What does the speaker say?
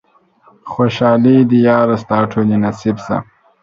خوشحالۍ دې ياره ستا ټولې نصيب شي